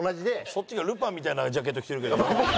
そっちがルパンみたいなジャケット着てるけど。